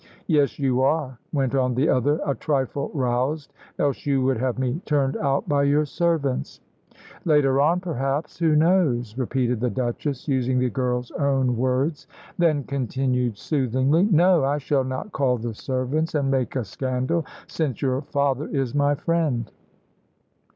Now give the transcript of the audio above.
"Yes, you are," went on the other, a trifle roused; "else you would have me turned out by your servants." "Later on, perhaps who knows?" repeated the Duchess, using the girl's own words; then continued soothingly, "No; I shall not call the servants and make a scandal, since your father is my friend."